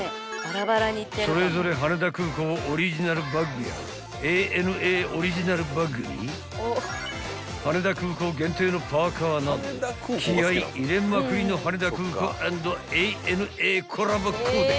［それぞれ羽田空港オリジナルバッグやＡＮＡオリジナルバッグに羽田空港限定のパーカーなど気合入れまくりの羽田空港＆ＡＮＡコラボコーデ］